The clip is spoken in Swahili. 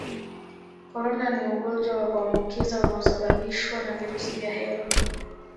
Corona ni ugonjwa wa kuambukiza unaosababishwa na virusi vya hewa